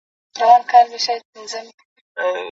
که موږ یو بل ته مننه ووایو نو کینه به ورکه سي.